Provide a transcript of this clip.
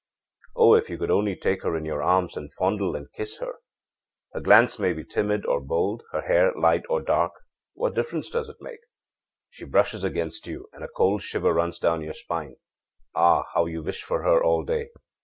Oh, if you could only take her in your arms and fondle and kiss her! Her glance may be timid or bold, her hair light or dark. What difference does it make? She brushes against you, and a cold shiver runs down your spine. Ah, how you wish for her all day!